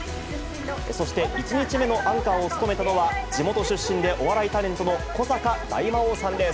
そして、１日目のアンカーを務めたのは、地元出身でお笑いタレントの古坂大魔王さんです。